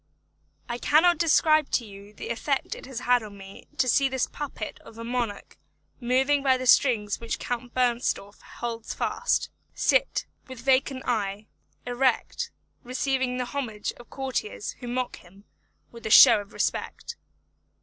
I cannot describe to you the effect it had on me to see this puppet of a monarch moved by the strings which Count Bernstorff holds fast; sit, with vacant eye, erect, receiving the homage of courtiers who mock him with a show of respect.